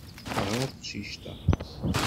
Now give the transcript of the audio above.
Teɣra teqcic-a.